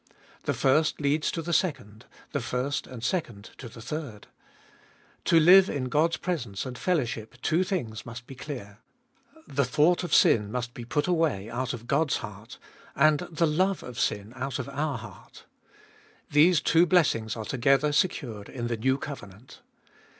The first leads to the second, the first and second to the third. To live in God's presence and fellowship two things must be clear: the thought of sin must be put away out of God's heart, and the love of sin out of our heart. These two blessings are together secured in the new covenant.